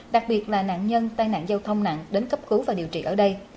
đặc biệt là nạn nhân tai nạn giao thông nặng đến cấp cứu và điều trị ở đây